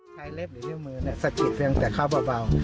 ใช้เล็บหรือเลี่ยวมือสะกิดตั้งแต่เข้าเบา